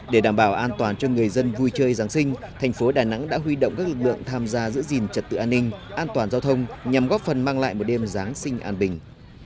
để đảm bảo an toàn cho người dân vui chơi giáng sinh thành phố đà nẵng đã huy động các lực lượng tham gia giữ gìn trật tự an ninh an toàn giao thông nhằm góp phần mang lại một đêm giáng sinh an bình